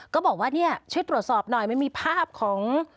ก็บอกว่าเนี่ยช่วยตรวจสอบหน่อยมันมีภาพของ